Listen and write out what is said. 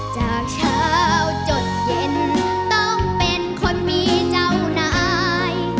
จากเช้าจดเย็นต้องเป็นคนมีเจ้านาย